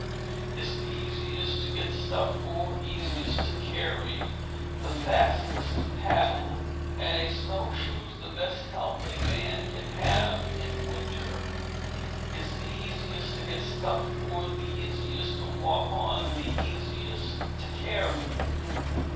It's the easiest to get stuff for, easiest to carry, the fastest to paddle. And a snowshoe's the best help a man can have in the winter. It's the easiest to get stuff for, the easiest to walk on, the easiest to carry.